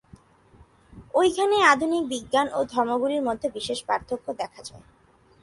এইখানেই আধুনিক বিজ্ঞান ও ধর্মগুলির মধ্যে বিশেষ পার্থক্য দেখা যায়।